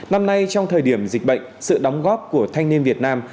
năm nay trong thời điểm dịch bệnh sự đóng góp của thanh niên việt nam